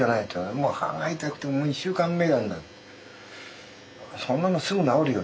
「もう歯が痛くて２週間目なんだ」。